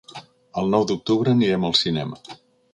El nou d'octubre anirem al cinema.